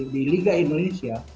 di liga indonesia